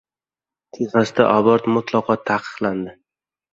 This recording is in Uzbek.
Texasda abort mutlaqo taqiqlandi